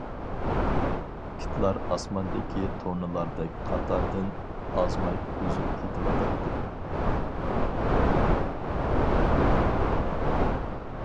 كىتلار ئاسماندىكى تۇرنىلاردەك قاتاردىن ئازماي ئۈزۈپ كېتىۋاتاتتى.